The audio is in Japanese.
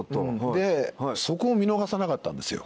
でそこを見逃さなかったんですよ